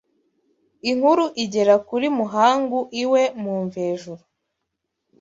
Inkuru igera kuri Muhangu iwe mu Mvejuru